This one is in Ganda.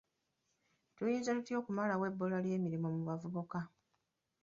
Tuyinza tutya okumalawo ebbula ly'emirimu mu bavubuka?